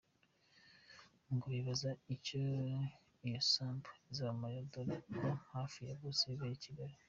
Ngo bibaza icyo iyo sambu izabamarira dore ko hafi ya bose bibera i Kigali.